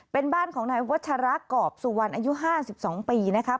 เป็นบ้านของนายวัชระกอบสุวรรณอายุ๕๒ปีนะคะ